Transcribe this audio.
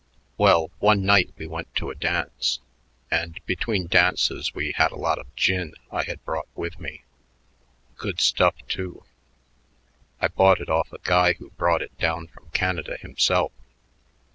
Well, one night we went to a dance, and between dances we had a lot of gin I had brought with me. Good stuff, too. I bought it off a guy who brought it down from Canada himself.